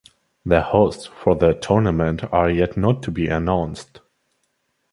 The hosts for the tournament are yet to be announced.